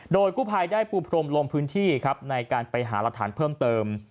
โดยกู้ภัยได้ปูพรมลงพื้นที่ครับในการไปหารักฐานเพิ่มเติม